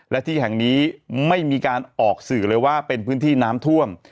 และที่แห่งนี้ไม่มีการออกสื่อเลยว่าเป็นพื้นที่น้ำท่วม